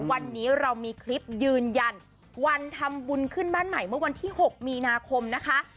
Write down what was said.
วันนี้เรามีคลิปยืนยันวันทำบุญขึ้นบ้านใหม่เมื่อวันที่๖มีนาคมนะคะ